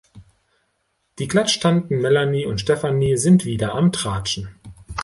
Die Klatschtanten Melanie und Stefanie sind wieder am tratschen.